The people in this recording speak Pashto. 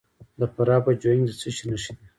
د فراه په جوین کې د څه شي نښې دي؟